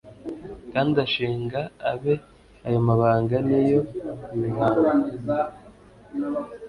kandi ashinga abe ayo mabanga n'iyo mihango